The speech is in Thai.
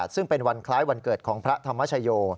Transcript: ซึ่งเป็นวันคล้ายวันเกิดของพระธรรมชโย